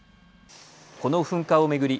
この噴火を巡り